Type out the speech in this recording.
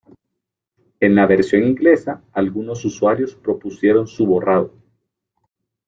En la versión inglesa algunos usuarios propusieron su borrado.